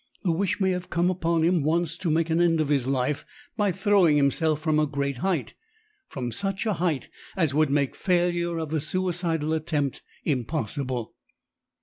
The wish may have come upon him once to make an end of his life by throwing himself from a great height from such a height as would make failure of the suicidal attempt impossible.